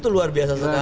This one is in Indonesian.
itu luar biasa sekali